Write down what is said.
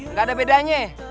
gak ada bedanya